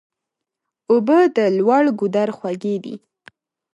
اوبه د لوړ ګودر خوږې دي.